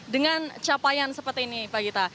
dengan capaian seperti ini pak gita